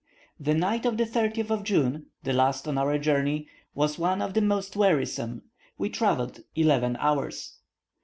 The night of the 30th of June, the last of our journey, was one of the most wearisome: we travelled eleven hours.